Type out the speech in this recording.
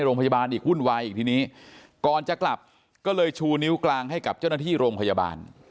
โรงพยาบาลอีกวุ่นวายอีกทีนี้ก่อนจะกลับก็เลยชูนิ้วกลางให้กับเจ้าหน้าที่โรงพยาบาล